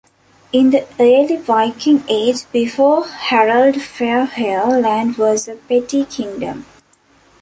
In the early Viking Age, before Harald Fairhair, Land was a petty kingdom.